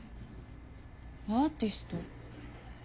アーティスト？